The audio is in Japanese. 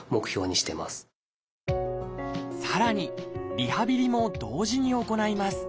リハビリも同時に行います。